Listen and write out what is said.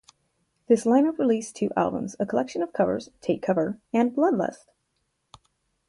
This line-up released two albums, a collection of covers "Take Cover" and "Blood Lust".